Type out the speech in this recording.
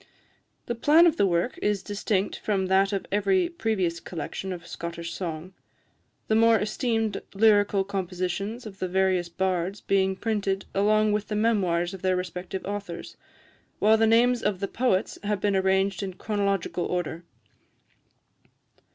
The plan of the work is distinct from that of every previous collection of Scottish song the more esteemed lyrical compositions of the various bards being printed along with the memoirs of the respective authors, while the names of the poets have been arranged in chronological order.